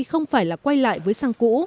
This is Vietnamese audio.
không phải là quay lại với xăng cũ